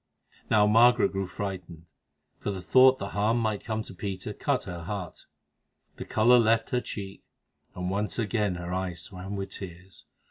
Now Margaret grew frightened, for the thought that harm might come to Peter cut her heart. The colour left her cheek, and once again her eyes swam with tears.